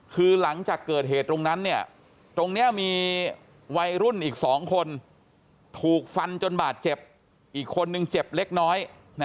คือหลังจากเกิดเหตุตรงนั้นตรงนี้มีวัยรุ่นอีก๒คนถูกฟันจนบาดเจ็บอีกคนนึงเจ็บเล็กน้อย